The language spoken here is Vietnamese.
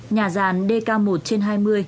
nhà giàn dk một trên hai mươi